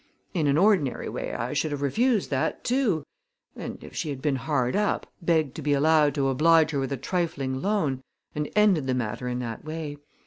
In an ordinary way I should have refused that, too; and, if she had been hard up, begged to be allowed to oblige her with a trifling loan and ended the matter in that way.